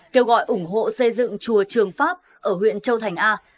kêu gọi ủng hộ xây dựng chùa trường pháp ở huyện châu thành a